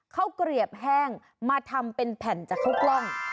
เกลียบแห้งมาทำเป็นแผ่นจากข้าวกล้อง